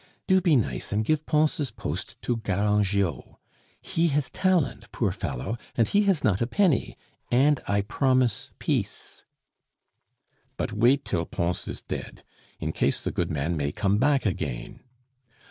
"Do be nice, and give Pons' post to Garangeot; he has talent, poor fellow, and he has not a penny; and I promise peace." "But wait till Pons is dead, in case the good man may come back again."